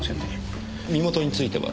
身元については？